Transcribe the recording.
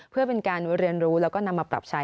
เพื่อเป็นการเรียนรู้แล้วก็นำมาปรับใช้